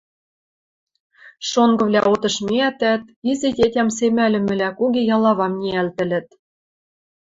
шонгывлӓ отыш миӓтӓт, изи тетям семӓлӹмӹлӓ куги ялавам ниӓлтӹлӹт